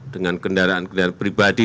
dengan kendaraan kendaraan pribadi